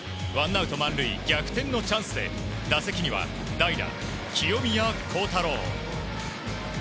ワンアウト満塁逆転のチャンスで打席には代打、清宮幸太郎。